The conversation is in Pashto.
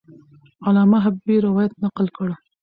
علامه حبیبي روایت نقل کړ.